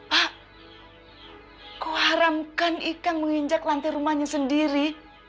pak kau haramkan ikang menginjak lantai rumahnya sendiri